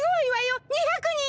２００人よ。